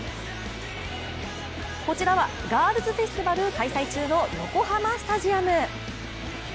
こちらは、ガールズフェスティバル開催中の横浜スタジアム。